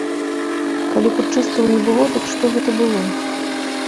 Калі путчыстаў не было, дык што гэта было?